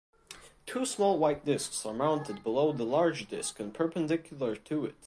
Two small white disks are mounted below the large disk and perpendicular to it.